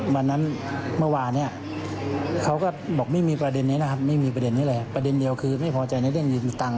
เขาก็บอกไม่มีประเด็นนี้นะครับไม่มีประเด็นนี้แหละประเด็นเดียวคือไม่พอใจในเรื่องดินตังค์